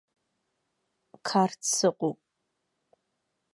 Қарҭ сыҟоуп.